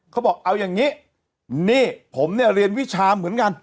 เขาบอกเอาอย่างนี้นี่ผมเนี่ยเรียนวิชาเหมือนกัน